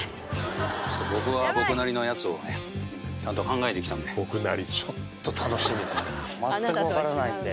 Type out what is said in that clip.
ちょっと僕は僕なりのやつをねちゃんと考えてきたんでそうっすね